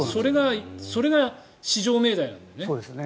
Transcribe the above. それが至上命題なんだよね。